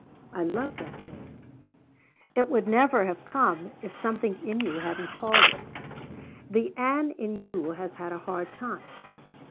I love that name. It never would have come if something in you hadn't called it. The Ann in you has had a hard time."